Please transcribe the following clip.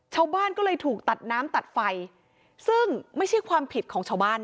ชาวบ้านก็เลยถูกตัดน้ำตัดไฟซึ่งไม่ใช่ความผิดของชาวบ้านนะ